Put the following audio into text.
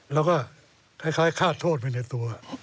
แล้วก็คล้ายฆ่าโทษไปในตัว